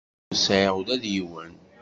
Ur sɛiɣ ula d yiwen.